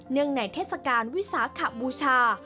เนื่องในเทศกาลวิสาขบูชา